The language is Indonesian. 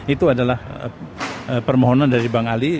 itu adalah permohonan dari bang ali